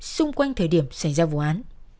xung quanh thời điểm xảy ra vụ án